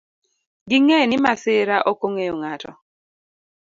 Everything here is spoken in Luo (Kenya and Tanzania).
Ging'e ni masira ok ong'eyo ng'ato.